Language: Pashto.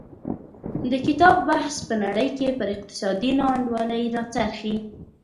د کتاب بحث په نړۍ کې پر اقتصادي نا انډولۍ راڅرخي.